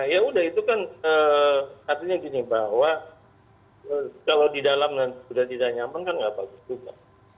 ya udah itu kan artinya gini bahwa kalau di dalam sudah tidak nyaman kan nggak bagus juga